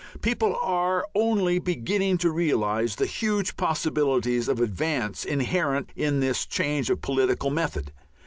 People are only beginning to realize the huge possibilities of advance inherent in this change of political method.